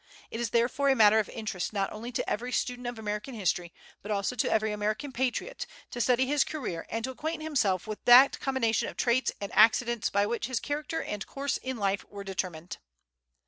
It is therefore a matter of interest not only to every student of American history, but also to every American patriot, to study his career and to acquaint himself with that combination of traits and accidents by which his character and course in life were determined.